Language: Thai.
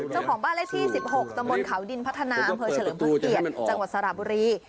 เจ้าของบ้านเลขที่๑๖ตำบลเขาดินพัฒนาอำเภอเฉลิมพระเกียรติจังหวัดสระบุรี